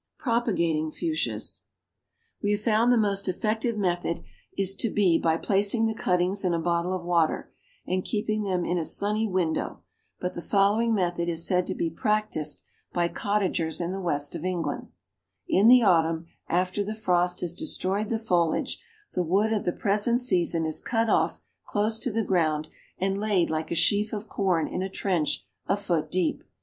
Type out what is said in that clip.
PROPAGATING FUCHSIAS. We have found the most effective method to be by placing the cuttings in a bottle of water, and keeping them in a sunny window, but the following method is said to be practiced by cottagers in the west of England: "In the autumn, after the frost has destroyed the foliage, the wood of the present season is cut off close to the ground and laid like a sheaf of corn in a trench a foot deep.